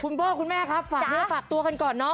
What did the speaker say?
คุณพ่อคุณแม่ฝากเนื้อฝากตัวกันก่อน